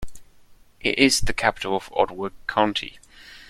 It is the capital of Otwock County.